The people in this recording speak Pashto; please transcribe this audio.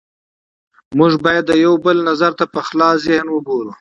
موږ باید د یو بل نظر ته په خلاص ذهن وګورو